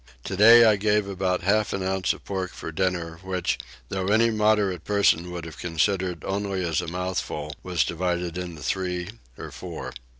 Today I gave about half an ounce of pork for dinner which, though any moderate person would have considered only as a mouthful, was divided into three or four.